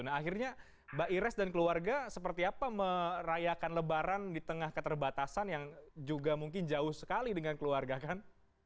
nah akhirnya mbak ires dan keluarga seperti apa merayakan lebaran di tengah keterbatasan yang juga mungkin jauh sekali dengan keluarga kan